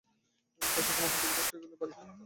এমন কাজটা তোমার হাত থেকে ফসকে গেলে ভারি অন্যায় হবে।